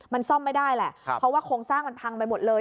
มันซ่อมไม่ได้แหละเพราะว่าโครงสร้างมันพังไปหมดเลย